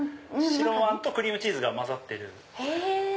白あんとクリームチーズが混ざってる。